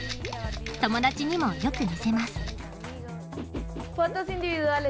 友だちにもよく見せます。